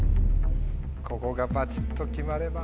ここがバチっと決まれば。